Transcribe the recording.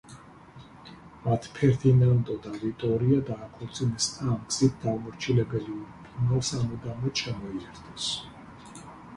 მათ ფერდინანდო და ვიტორია დააქორწინეს და ამ გზით დაუმორჩილებელი ურბინო სამუდამოდ შემოიერთეს.